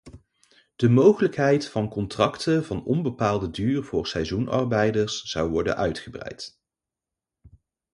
De mogelijkheid van contracten van onbepaalde duur voor seizoenarbeiders zou worden uitgebreid.